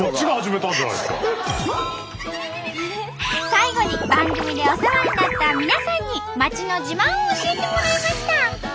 最後に番組でお世話になった皆さんに町の自慢を教えてもらいました。